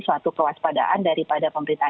suatu kewaspadaan daripada pemerintah